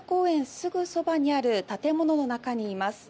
すぐそばにある建物の中にいます。